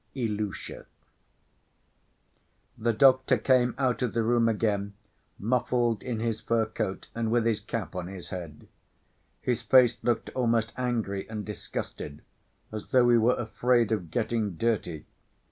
Ilusha The doctor came out of the room again, muffled in his fur coat and with his cap on his head. His face looked almost angry and disgusted, as though he were afraid of getting dirty.